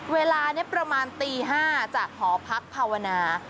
เวลานี้ประมาณตี๕จากหอพักภาวนา